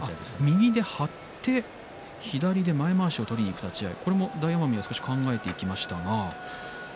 右で張って左で前まわしを取りにいく立ち合い、大奄美も少し考えていきましたが。